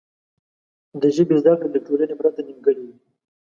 د ژبې زده کړه له ټولنې پرته نیمګړې وي.